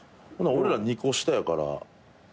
俺ら２個下やから。